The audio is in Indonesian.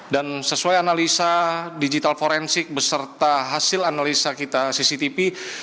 dan sesuai analisa digital forensik beserta hasil analisa kita cctv